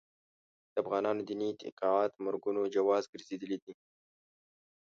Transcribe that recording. د افغانانو دیني اعتقادات د مرګونو جواز ګرځېدلي دي.